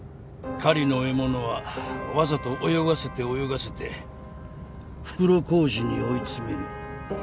狩りの獲物はわざと泳がせて泳がせて袋小路に追い詰める。